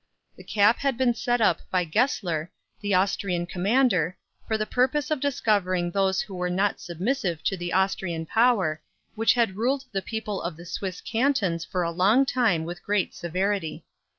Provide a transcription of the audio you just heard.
The cap had been set up by Gessler, the Austrian commander, for the purpose of discovering those who were not submissive to the Austrian power, which had ruled the people of the Swiss Cantons for a long time with great severity.